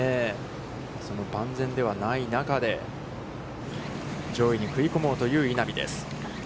その万全ではない中で、上位に食い込もうという稲見です。